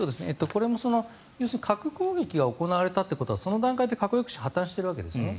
これも、要するに核攻撃が行われたということはその段階で核抑止が破たんしているわけですね。